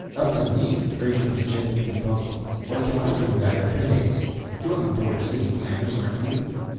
"Up to me?" Frazer was genuinely puzzled. "What can I do about your headaches?" "You're on the Board of City Planners, aren't you?"